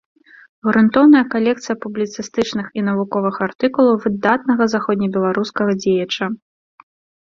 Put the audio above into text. Грунтоўная калекцыя публіцыстычных і навуковых артыкулаў выдатнага заходнебеларускага дзеяча.